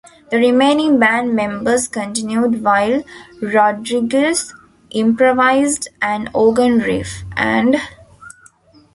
The remaining band members continued while Rodriguez improvised an organ riff, and ?